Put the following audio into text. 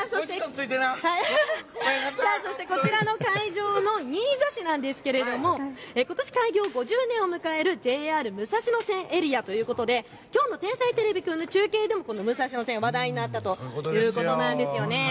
そしてこちらの会場の新座市なんですけれど、ことし開業５０年を迎えるＪＲ武蔵野線エリアということできょうの天才てれびくんの中継でも武蔵野線、話題になったということなんです。